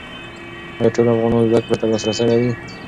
ایا ټول افغانان زده کړو ته لاسرسی لري؟